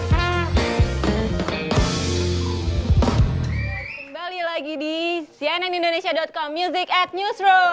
kembali lagi di cnnindonesia com music at newsroom